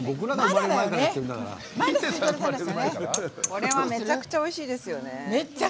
これはめちゃくちゃおいしいですよね。